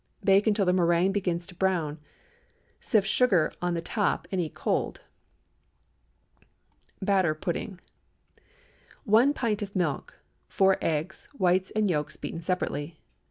Bake until the méringue begins to brown. Sift sugar on the top and eat cold. BATTER PUDDING. ✠ 1 pint of milk. 4 eggs—whites and yolks beaten separately.